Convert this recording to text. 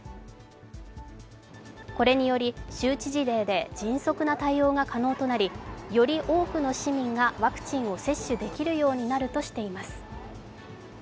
これにより、州知事令で迅速な対応が可能となりより多くの市民がワクチンを接種できるようになるとしています。